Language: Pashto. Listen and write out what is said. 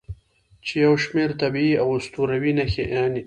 چې یو شمیر طبیعي او اسطوروي نښې